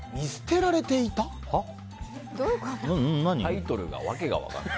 タイトルが訳が分からない。